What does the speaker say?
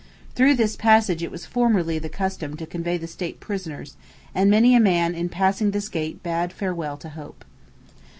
Through this passage it was formerly the custom to convey the state prisoners, and many a man in passing this gate bade farewell to hope.